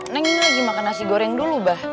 neng ini lagi makan nasi goreng dulu bah